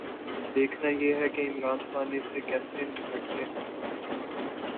دیکھنا یہ ہے کہ عمران خان اس سے کیسے نمٹتے ہیں۔